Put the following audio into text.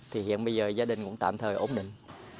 thì hiện bây giờ gia đình cũng tạm thời ổn định